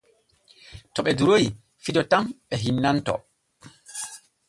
To ɓe duroy fijo tan ɓe hinnantoo.